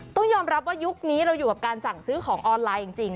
ต้องยอมรับว่ายุคนี้เราอยู่กับการสั่งซื้อของออนไลน์จริง